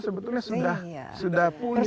sebetulnya sudah sudah punya itu